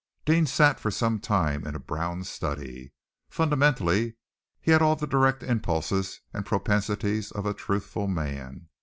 Deane sat for some time in a brown study. Fundamentally he had all the direct impulses and propensities of a truthful man.